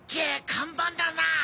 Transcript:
看板だなぁ！